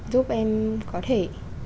giúp em có thể